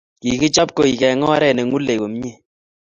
Kikichob koik eng oree ne ng'ulei komiee.